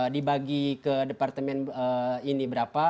dibagi ke departemen ini berapa